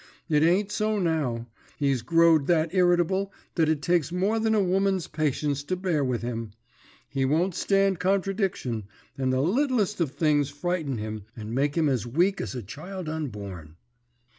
It ain't so now; he's growed that irritable that it takes more than a woman's patience to bear with him; he won't stand contradiction, and the littlest of things'll frighten him and make him as weak as a child unborn.